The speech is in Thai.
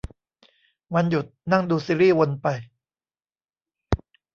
วันหยุดนั่งดูซีรีย์วนไป